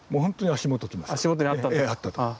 足元にあったと。